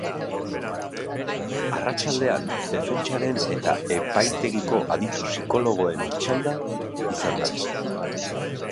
Arratsaldean defentsaren eta epaitegiko aditu psikologoen txanda izan da.